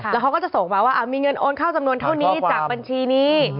แล้วเขาก็จะส่งมาว่ามีเงินโอนเข้าจำนวนเท่านี้จากบัญชีนี้